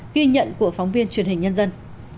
ghi nhận của phóng viên truyền hình nhân dân